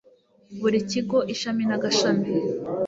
buri kigo ishami n agashami